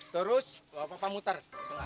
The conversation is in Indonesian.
terus bawa papa muter